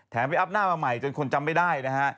ไปอัพหน้ามาใหม่จนคนจำไม่ได้นะฮะ